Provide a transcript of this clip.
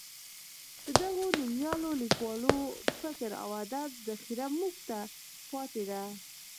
د دغو نومیالیو لیکوالو فکر او ادب ذخیره موږ ته پاتې ده.